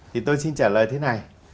thì tôi xin trả lời thế này